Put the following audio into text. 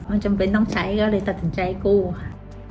จำเป็นต้องใช้ก็เลยตัดสินใจกู้ค่ะ